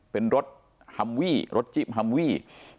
เป็นรถฮัมวี่รถจิ๊บฮัมวี่